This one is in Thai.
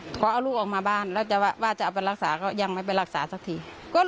ขอเอาลูกออกมาบ้านแล้วว่าจะเอาไปรักษาก็ยังไม่ไปรักษาสักที